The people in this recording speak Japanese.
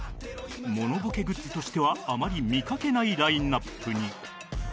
モノボケグッズとしてはあまり見かけないラインアップに